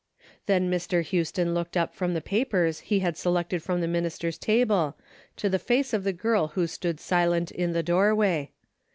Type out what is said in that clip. Then Mr. Houston looked up from the papers he had selected from the minister's table, to the face of the girl who stood silent in the doorway.